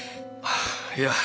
いや。